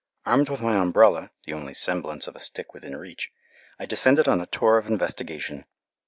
Armed with my umbrella, the only semblance of a stick within reach, I descended on a tour of investigation.